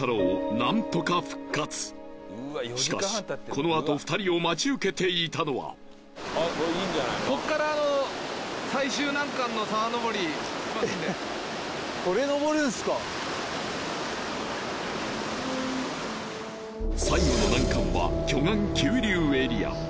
何とか復活しかしこのあと２人を待ち受けていたのはえっ最後の難関は巨岩急流エリア